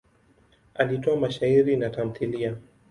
Alitoa mashairi na tamthiliya.